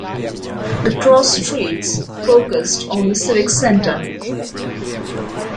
The crossstreets focused on the civic center.